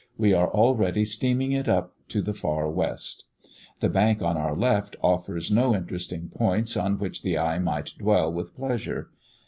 We are already steaming it up to the far west. The bank on our left offers no interesting points on which the eye might dwell with pleasure.